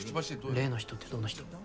例の人ってどの人？